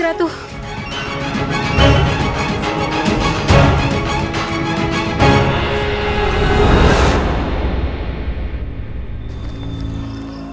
terima kasih kisara